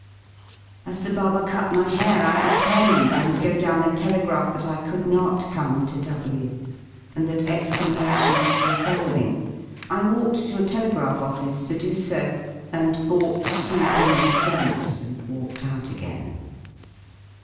As the barber cut my hair I determined I would go down and telegraph that I could not come to W , and that explanations were following. I walked to a telegraph oflice to do so — and bought two penny ^amps and walked out again.